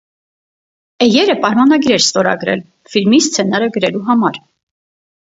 Էյերը պայմանագիր էր ստորագրել ֆիլմի սցենարը գրելու համար։